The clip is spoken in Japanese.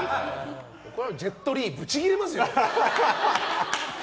ジェット・リーブチギレますよ。